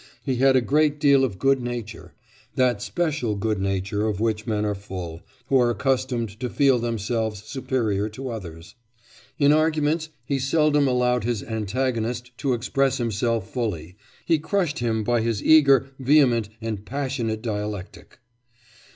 He had a great deal of good nature that special good nature of which men are full, who are accustomed to feel themselves superior to others. In arguments he seldom allowed his antagonist to express himself fully, he crushed him by his eager, vehement and passionate dialectic.